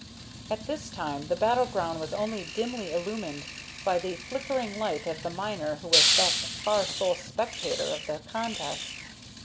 At this time the battleground was only dimly illumined by the flickering light of the miner who was thus far sole spectator of the contest.